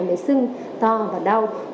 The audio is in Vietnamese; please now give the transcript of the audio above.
em bé xưng to và đau